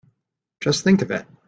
Just think of it!